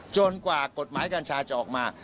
กว่ากฎหมายกัญชาจะออกมา